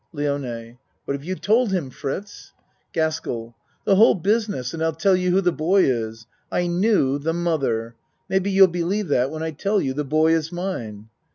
LIONE What have you told him, Fritz? GASKELL The whole business and I'll tell you who the boy is. I knew the mother. Maybe you'll believe that when I tell you the boy is mine.